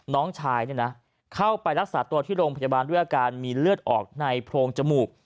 น้องชายเนี่ยนะเข้าไปรักษาตัวที่โรงพยาบาลด้วยอาการมีเลือดออกในโพรงจมูก